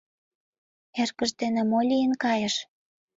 Эргыж дене мо лийын кайыш?